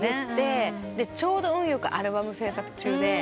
ちょうど運よくアルバム制作中で。